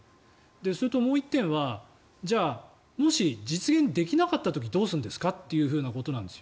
それともう１点はじゃあ、もし実現できなかった時どうするんですかということなんです。